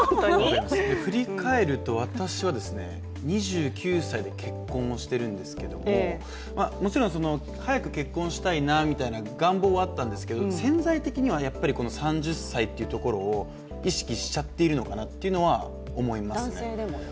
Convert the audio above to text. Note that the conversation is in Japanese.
振り返ると私は、２９歳で結婚をしているんですけれども、もちろん早く結婚したいなみたいな願望はあったんですけど潜在的にはやっぱりこの３０歳っていうところを意識しちゃってるのかなっていうのは思います